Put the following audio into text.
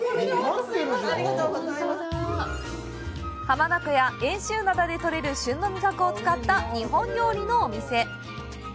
浜名湖や遠州灘でとれる旬の味覚を使った日本料理のお店。